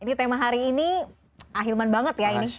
ini tema hari ini ahilman banget ya ini